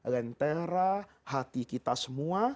lentera hati kita semua